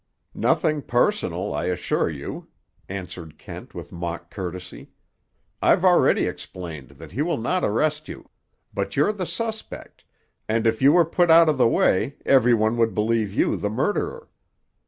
"Nothing personal, I assure you," answered Kent with mock courtesy. "I've already explained that he will not arrest you. But you're the suspect, and if you were put out of the way every one would believe you the murderer.